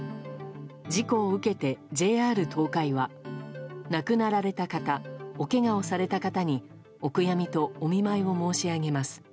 事故を受けてＪＲ東海は亡くなられた方おけがをされた方にお悔やみとお見舞いを申し上げます。